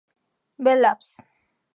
Bell Labs.